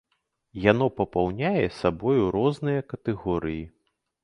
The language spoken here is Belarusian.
Яно папаўняе сабою розныя катэгорыі.